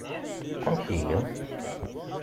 Amek iga?